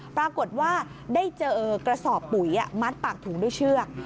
ปรากฏว่าได้เจอกระสอบปุ๋ยมัดปากถุงด้วยเชือก